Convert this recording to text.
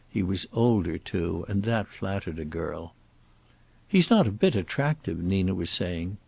He was older too, and that flattered a girl. "He's not a bit attractive," Nina was saying.